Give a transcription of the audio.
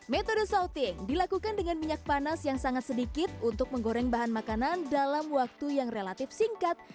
metode souting dilakukan dengan minyak panas yang sangat sedikit untuk menggoreng bahan makanan dalam waktu yang relatif singkat